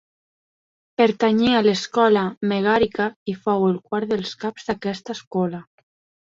Pertanyé a l'escola megàrica i fou el quart dels caps d'aquesta escola.